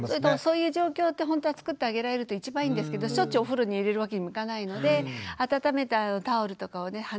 そういう状況ってほんとはつくってあげられると一番いいんですけどしょっちゅうお風呂に入れるわけにもいかないので温めたタオルとかをね